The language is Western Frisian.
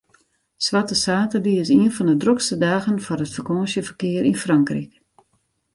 Swarte saterdei is ien fan de drokste dagen foar it fakânsjeferkear yn Frankryk.